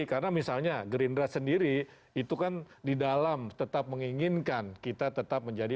karena misalnya gerindra sendiri itu kan di dalam tetap menginginkan kita tetap menjadi